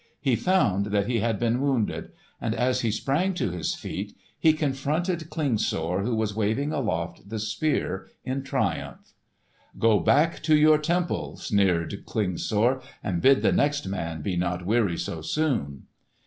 He found that he had been wounded; and as he sprang to his feet he confronted Klingsor who was waving aloft the Spear in triumph. "Go back to your temple!" sneered Klingsor; "and bid the next man be not weary so soon!"